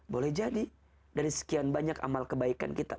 boleh jadi dari sekian banyak amal kebaikan kita